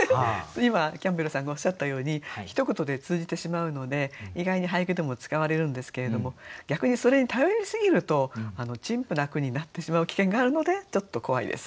今キャンベルさんがおっしゃったようにひと言で通じてしまうので意外に俳句でも使われるんですけれども逆にそれに頼り過ぎると陳腐な句になってしまう危険があるのでちょっと怖いです。